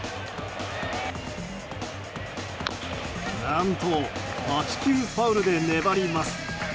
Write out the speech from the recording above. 何と８球ファウルで粘ります。